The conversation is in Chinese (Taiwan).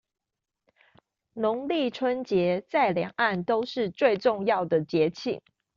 農曆春節在兩岸都是最重要的節慶